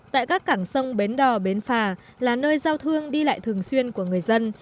tại các cảng sông bến đò bến phà là nơi giao thương đi lại thường xuyên của người dân